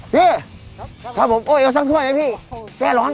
พี่ขอบอกผมเอ๊วซักถ้วยไหมพี่แก่ร้อน